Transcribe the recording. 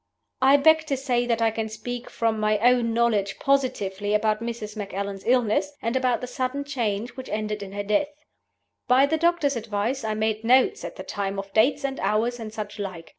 "I beg to say that I can speak from my own knowledge positively about Mrs. Macallan's illness, and about the sudden change which ended in her death. By the doctor's advice I made notes at the time of dates and hours, and such like.